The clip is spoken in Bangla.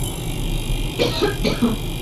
ওরা তো আর এটার ভাড়া দিচ্ছে না।